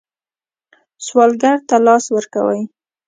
سوالګر ته لاس ورکوئ